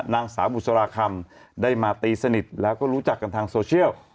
นางสาวบุษราคำได้มาตีสนิทแล้วก็รู้จักกันทางโซเชียล